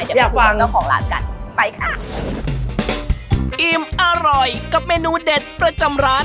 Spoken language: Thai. เดี๋ยวไปฟังเจ้าของร้านกันไปค่ะอิ่มอร่อยกับเมนูเด็ดประจำร้าน